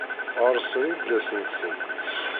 Ɣer-sen idles-nsen